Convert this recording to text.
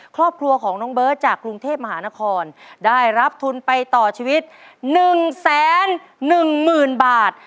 ครอบครัวของน้องเบิร์ตจากกรุงเทพมหานครได้รับทุนไปต่อชีวิต๑๑๐๐๐บาท